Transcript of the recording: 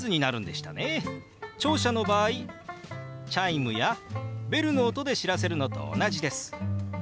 聴者の場合チャイムやベルの音で知らせるのと同じです。